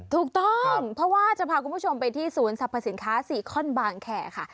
ถูกต้องเพราะว่าจะพาคุณผู้ชมไปที่ศูนย์สรรพสินค้าซีคอนบางแข่ค่ะ